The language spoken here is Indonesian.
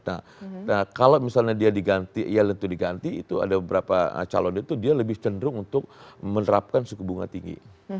nah kalau misalnya dia diganti yel itu diganti itu ada beberapa calon itu dia lebih cenderung untuk menerapkan suku bunga tinggi